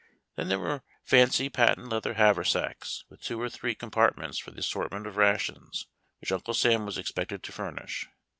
Then there were fancy patent leather haversacks, with two or three compart ments for the assortment of rations, which Uncle Sam was expected to furnish.